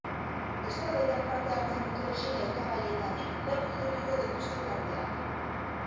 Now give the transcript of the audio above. Eztabaidan parte hartzen duten sei hautagaietatik lauk irekiko dituzte tarteak.